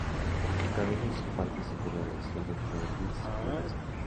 Su cabeza y sus partes inferiores son de color gris plomizo.